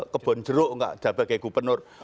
kebonjeruk tidak ada gubernur